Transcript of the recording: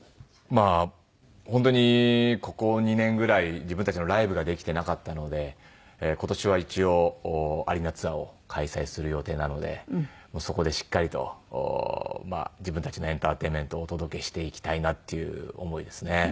まあ本当にここ２年ぐらい自分たちのライブができてなかったので今年は一応アリーナツアーを開催する予定なのでそこでしっかりと自分たちのエンターテインメントをお届けしていきたいなっていう思いですね。